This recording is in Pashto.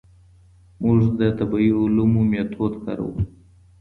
موږ د طبیعي علومو میتود کاروو.